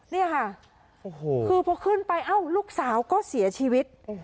นี่ค่ะคือพอขึ้นไปเอ้าลูกสาวก็เสียชีวิต